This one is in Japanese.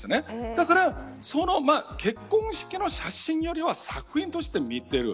だから結婚式の写真よりは作品として見ている。